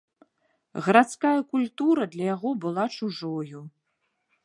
Гарадская культура для яго была чужою.